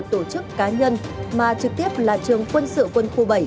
tổ chức cá nhân mà trực tiếp là trường quân sự quân khu bảy